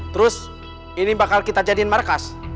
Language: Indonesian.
terus ini bakal kita jadiin markas